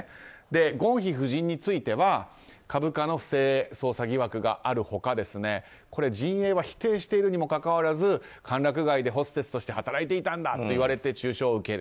ゴンヒ夫人については株価の不正操作疑惑がある他陣営は否定しているにもかかわらず歓楽街でホステスとして働いていたんだといわれて中傷を受ける。